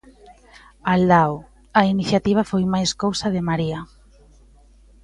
Aldao: A iniciativa foi máis cousa de María.